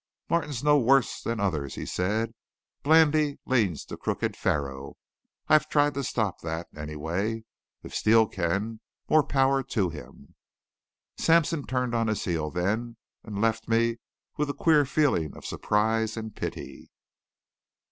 "Martin's no worse than others," he said. "Blandy leans to crooked faro. I've tried to stop that, anyway. If Steele can, more power to him!" Sampson turned on his heel then and left me with a queer feeling of surprise and pity.